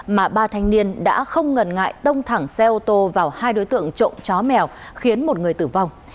mà ba thanh niên đã không ngần ngại tông thẳng xe ô tô vào hai đối tượng trộm chó mèo khiến một người tử vong